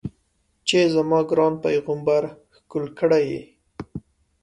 چې زما ګران پیغمبر ښکل کړی یې.